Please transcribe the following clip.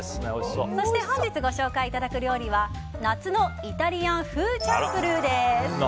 そして本日ご紹介いただく料理は夏のイタリアンフーチャンプルーです。